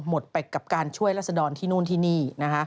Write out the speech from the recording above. หมดไปกับการช่วยรัศดรที่นู่นที่นี่